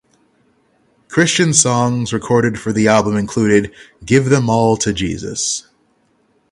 Christian songs recorded for the album included "Give Them All to Jesus".